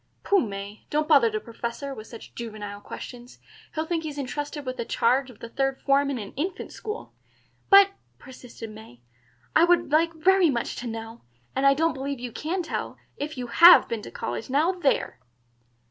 "Pooh, May, don't bother the Professor with such juvenile questions. He'll think he's intrusted with the charge of the third form in an infant school." "But," persisted May, "I would like very much to know, and I don't believe you can tell, if you have been to college. Now there!"